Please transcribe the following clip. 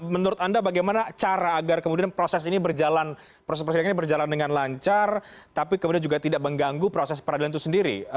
menurut anda bagaimana cara agar kemudian proses ini berjalan proses persidangan ini berjalan dengan lancar tapi kemudian juga tidak mengganggu proses peradilan itu sendiri